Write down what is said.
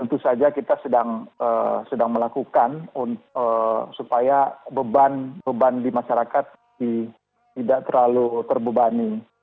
dan itu tentu saja kita sedang melakukan supaya beban di masyarakat tidak terlalu terbebani